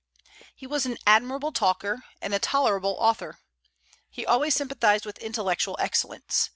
He was an admirable talker, and a tolerable author. He always sympathized with intellectual excellence.